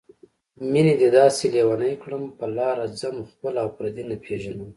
مينې دې داسې لېونی کړم په لاره ځم خپل او پردي نه پېژنمه